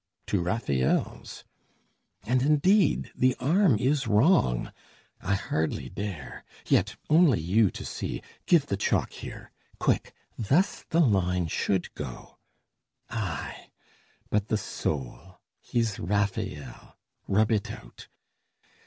To Rafael's! and indeed the arm is wrong. I hardly dare ... yet, only you to see, Give the chalk here quick, thus the line should go! Ay, but the soul! he's Rafael! rub it out!